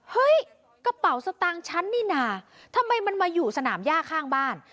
เฮ้ยกระเป๋าสตางค์ฉันนี่น่ะทำไมมันมาอยู่สนามย่าข้างบ้าน